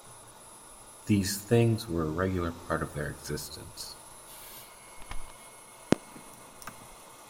These things were a regular part of their existence.